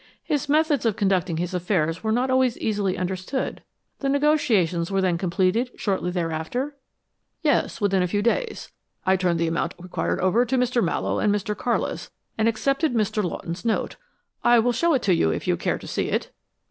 "His methods of conducting his affairs were not always easily understood. The negotiations were then completed shortly thereafter?" "Yes, within a few days. I turned the amount required over to Mr. Mallowe and Mr. Carlis, and accepted Mr. Lawton's note. I will show it to you if you care to see it."